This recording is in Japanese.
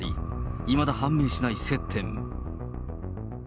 いまだ判明しない接点。